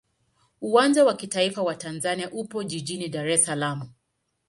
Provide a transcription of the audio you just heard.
Uwanja wa taifa wa Tanzania upo jijini Dar es Salaam.